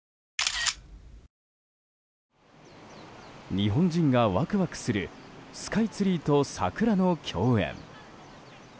日本人がワクワクするスカイツリーと桜の共演。